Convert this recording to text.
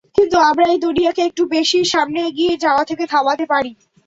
কিন্তু আমরা এই দুনিয়াকে একটু বেশিই সামনে এগিয়ে যাওয়া থেকে থামাতে পারি।